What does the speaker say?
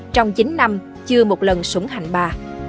trong chín năm chưa một lần sủng hành bà